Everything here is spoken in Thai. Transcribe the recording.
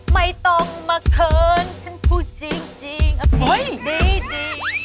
ไม่ต้องมาเขินฉันพูดจริงอภัยดี